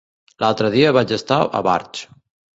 L'altre dia vaig estar a Barx.